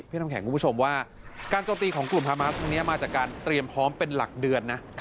น้ำแข็งคุณผู้ชมว่าการโจมตีของกลุ่มฮามาสตรงนี้มาจากการเตรียมพร้อมเป็นหลักเดือนนะ